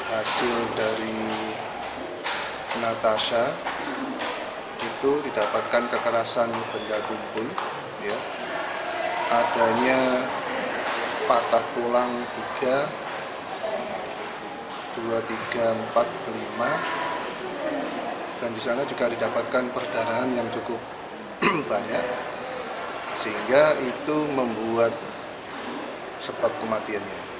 hasil dari natasha itu didapatkan kekerasan benja tumpun adanya patak pulang tiga dua tiga empat lima dan disana juga didapatkan perdarahan yang cukup banyak sehingga itu membuat sempat kematiannya